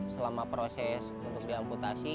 selama proses untuk diamputasi